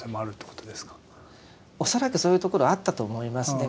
恐らくそういうところあったと思いますね。